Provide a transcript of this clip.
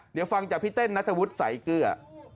เดี๋ยวฟังจากพี่เต้นนัทวุฒิสายเกลือ